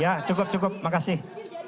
ya cukup cukup makasih